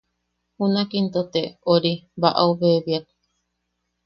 Junak into te... ori... bau bebiak.